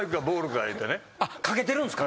賭けてるんすか？